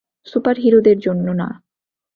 সুপারহিরোদের জন্য না।